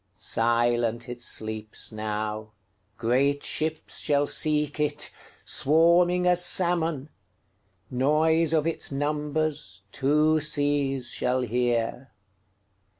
Silent it sleeps now; Great ships shall seek it, Swarming as salmon; Noise of its numbersTwo seas shall hear.